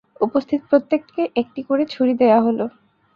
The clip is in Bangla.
উপস্থিত প্রত্যেককে একটি করে ছুরি দেয়া হল।